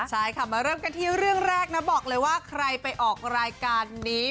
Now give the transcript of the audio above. ใช่ค่ะมาเริ่มกันที่เรื่องแรกนะบอกเลยว่าใครไปออกรายการนี้